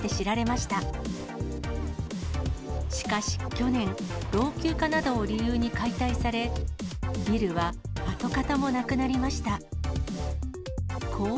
しかし去年、老朽化などを理由に解体され、ビルは跡形もなくなりました。